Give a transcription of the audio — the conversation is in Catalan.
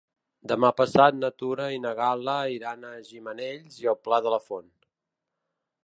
Demà passat na Tura i na Gal·la iran a Gimenells i el Pla de la Font.